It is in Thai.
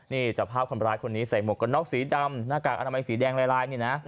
นี่จับภาพคนร้ายคนนี้ใส่หมวกกันน็อกสีดำหน้ากากอนามัยสีแดงลายนี่นะ